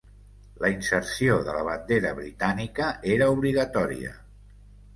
La inserció de la bandera britànica era obligatòria.